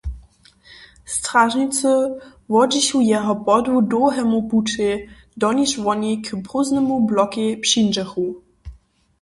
Stražnicy wodźichu jeho podłu dołhemu pućej, doniž woni k prózdnemu blokej přińdźechu.